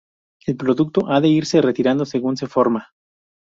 El producto ha de irse retirando según se forma.